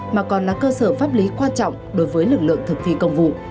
mà còn là cơ sở pháp lý quan trọng đối với lực lượng thực thi công vụ